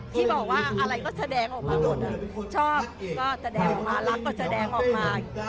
ที่บอกว่าอะไรก็แสดงออกมาหมดชอบก็แสดงออกมารักก็แสดงออกมา